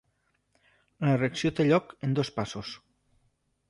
La reacció té lloc en dos passos.